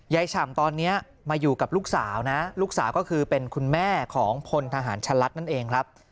ฉ่ำตอนนี้มาอยู่กับลูกสาวนะลูกสาวก็คือเป็นคุณแม่ของพลทหารชะลัดนั่นเองครับ